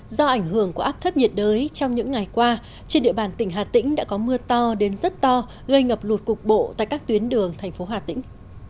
do ảnh hưởng của áp thấp nhiệt đới trong những ngày qua trên địa bàn tỉnh hà tĩnh đã có mưa to đến rất to gây ngập lụt cục bộ tại các tuyến đường thành phố hà tĩnh